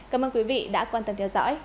cảm ơn quý vị đã quan tâm theo dõi